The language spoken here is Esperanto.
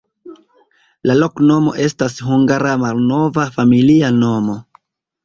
La loknomo estas hungara malnova familia nomo.